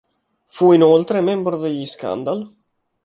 Fu inoltre membro degli Scandal.